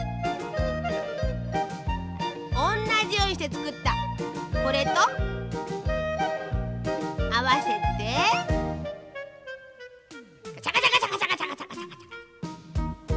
おんなじようにしてつくったこれとあわせてガチャガチャガチャガチャガチャガチャ。